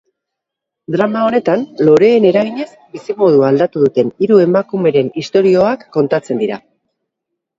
Drama honetan, loreen eraginez bizimodua aldatu duten hiru emakumeren istorioak kontatzen dira.